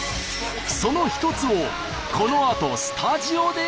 その一つをこのあとスタジオで！